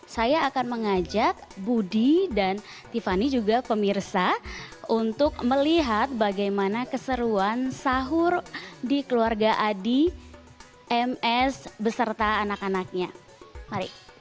saya akan mengajak budi dan tiffany juga pemirsa untuk melihat bagaimana keseruan sahur di keluarga adi ms beserta anak anaknya mari